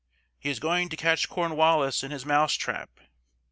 He is going to catch Cornwallis in his mouse trap!"